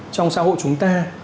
trong xã hội chúng ta